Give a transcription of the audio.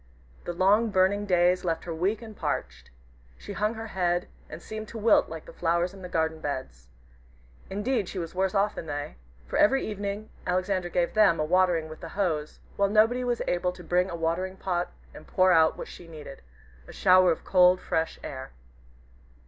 The long burning days left her weak and parched. She hung her head, and seemed to wilt like the flowers in the garden beds. Indeed she was worse off than they, for every evening Alexander gave them a watering with the hose, while nobody was able to bring a watering pot and pour out what she needed a shower of cold, fresh air.